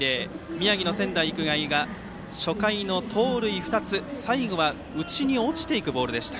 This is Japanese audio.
宮城の仙台育英が初回の盗塁２つ最後は内に落ちていくボールでした。